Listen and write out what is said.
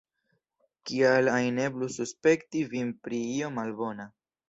Kial ajn eblus suspekti vin pri io malbona!